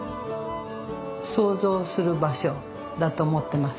創造する場所だと思ってます。